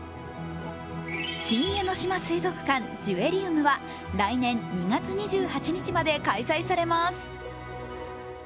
新江ノ島水族館・Ｊｅｗｅｒｉｕｍは来年２月２８日まで開催されます。